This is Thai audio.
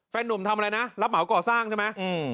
หนุ่มทำอะไรนะรับเหมาก่อสร้างใช่ไหม